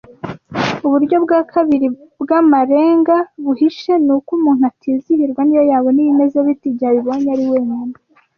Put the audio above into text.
Uburyo bwa kabiri bw’amarenga buhishe ni uko umuntu atizihirwa n’iyo yabona ibimeze bite igihe abibonye ari wenyine